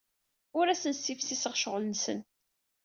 Ur asen-ssifsiseɣ ccɣel-nsen.